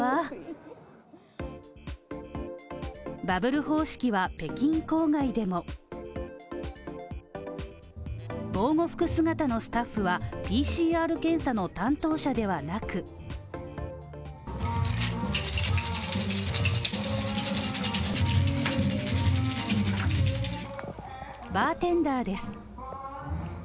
バブル方式は北京郊外でも防護服姿のスタッフは、ＰＣＲ検査の担当者ではなくバーテンダーです。